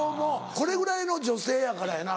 これぐらいの女性やからやな